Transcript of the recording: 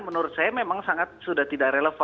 menurut saya memang sangat sudah tidak relevan